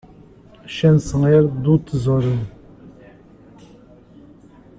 Chanceler do Tesouro